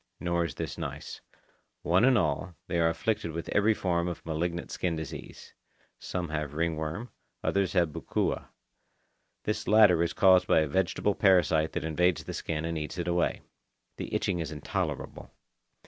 Nor is this nice. One and all, they are afflicted with every form of malignant skin disease. Some have ringworm, others have bukua. This latter is caused by a vegetable parasite that invades the skin and eats it away. The itching is intolerable.